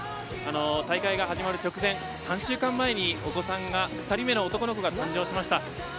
大会が始まる直前３週間前に、お子さんが２人目の男の子が誕生しました。